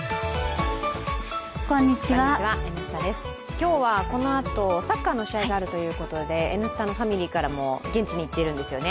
今日はこのあと、サッカーの試合があるということで、「Ｎスタ」のファミリーからも現地に行っているんですよね。